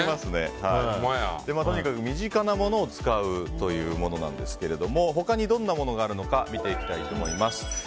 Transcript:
とにかく身近なものを使うというものですが他にどんなものがあるのか見ていきたいと思います。